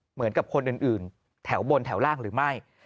เหมือนกับคนอื่นแถวบนแถวล่างหรือไม่